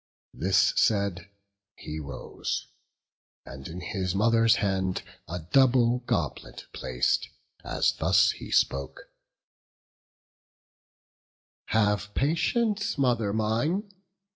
This said, he rose, and in his mother's hand A double goblet plac'd, as thus he spoke: "Have patience, mother mine!